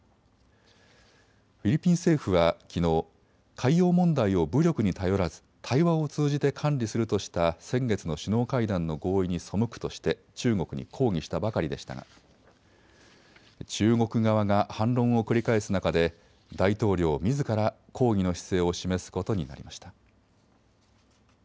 フィリピン政府はきのう海洋問題を武力に頼らず対話を通じて管理するとした先月の首脳会談の合意に背くとして中国に抗議したばかりでしたが中国側が反論を繰り返す中で大統領みずから抗議の姿勢を示すことになりました。